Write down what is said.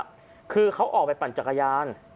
มันก็บอกว่าคือเขาออกไปปั่นจักรยาน